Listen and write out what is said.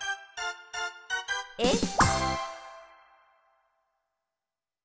えっ？